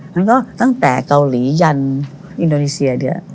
แล้วก็ตั้งแต่เกาหลียันอินโดนีเซียเนี่ย